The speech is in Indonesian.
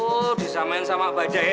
oh disamain sama baja ya